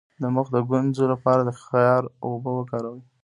د مخ د ګونځو لپاره د خیار اوبه وکاروئ